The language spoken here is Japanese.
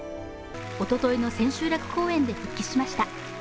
おとといの千秋楽公演で復帰しました。